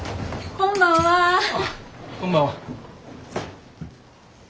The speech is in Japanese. こんばんは。